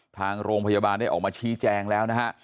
ทางโรงพยาบาลได้ออกมาชี้แจงแล้วนะฮะ